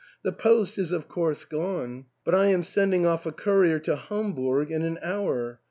" The post is of course gone ; but I am sending off a courier to Ham burg in an hour.